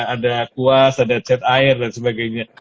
ada kuas ada cat air dan sebagainya